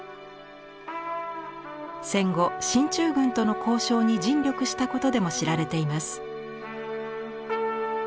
戦後進駐軍との交渉に尽力したことでも知られています。